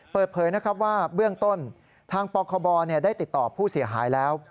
เปิดเผยนะครับว่าเบื้องต้นทางปคบได้ติดต่อผู้เสียหายแล้ว